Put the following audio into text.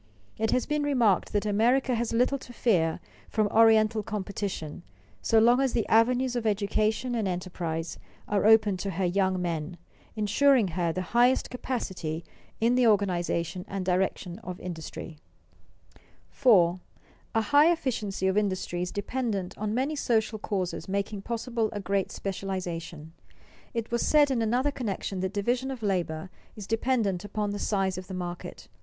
It has been remarked that America has little to fear from Oriental competition so long as the avenues of education and enterprise are open to her young men, insuring her the highest capacity in the organization and direction of industry. [Sidenote: Growing specialization of industry] 4. A high efficiency of industry is dependent on many social causes making possible a great specialization. It was said in another connection that division of labor is dependent upon the size of the market.